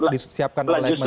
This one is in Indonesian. disiapkan oleh agama